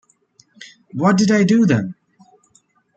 What did I do then?